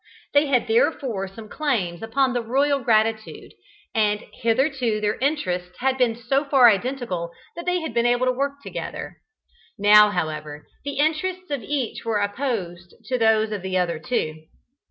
They had therefore some claims upon the royal gratitude, and hitherto their interests had been so far identical that they had been able to work together. Now, however, the interests of each were opposed to those of the other two.